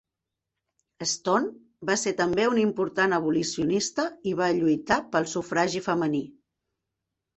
Stone va ser també una important abolicionista i va lluitar pel sufragi femení.